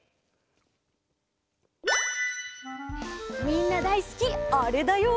みんなだいすきあれだよ。